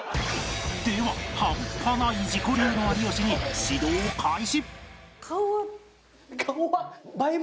では半端ない自己流の有吉に指導開始